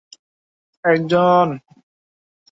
যেন তিনি একজন আক্রমণরত সিংহ।